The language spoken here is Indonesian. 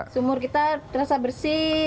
sumur kita terasa bersih